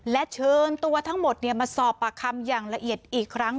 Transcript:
และเชิญตัวทั้งหมดมาสอบปากคำอย่างละเอียดอีกครั้ง